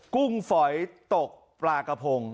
กุ้งฝอยตกปลากระพง